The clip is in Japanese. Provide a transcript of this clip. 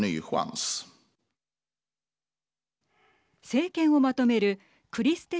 政権をまとめるクリステ